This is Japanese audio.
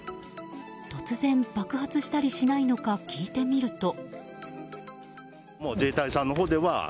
突然、爆発したりしないのか聞いてみると。